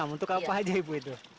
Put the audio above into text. dua puluh enam untuk apa aja ibu itu